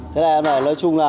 thế nên nói chung là